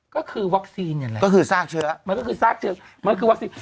ก็คือวัคซีนอย่างไรมันก็คือสร้างเชื้อมันคือวัคซีน